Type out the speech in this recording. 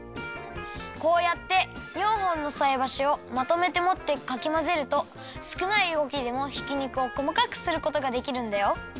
こうやって４ほんのさいばしをまとめてもってかきまぜるとすくないうごきでもひき肉をこまかくすることができるんだよ！